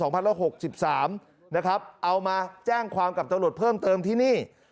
นะครับเอามาแจ้งความกับตะโหลดเพิ่มเติมที่นี่